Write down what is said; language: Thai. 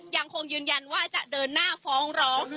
ยังคงยืนยันว่าจะเดินหน้าฟ้องร้อง